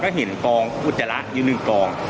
ก็เห็นกองอุจจาระอยู่หนึ่งกอง